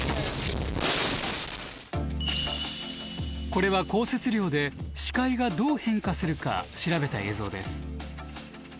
これは降雪量で視界がどう変化するか調べた映像です。